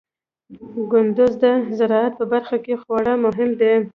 کندز د زراعت په برخه کې خورا مهم دی.